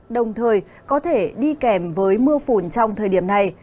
đồng thời có thể đi kèm với mưa phùn trong thời điểm này